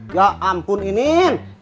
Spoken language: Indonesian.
ya ampun ini nin